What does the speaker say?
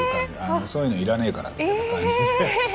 「そういうのいらねえから」みたいな感じで。